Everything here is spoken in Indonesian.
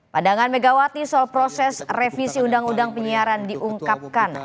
pandangan megawati soal proses revisi undang undang penyiaran diungkapkan